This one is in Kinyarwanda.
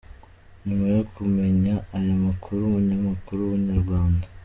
Nyuma yo kumenya aya makuru umunyamakuru wa inyarwanda.